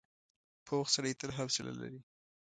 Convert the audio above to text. پوخ سړی تل حوصله لري